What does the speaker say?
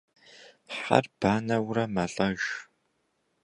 Хьэр банэурэ мэлӏэж.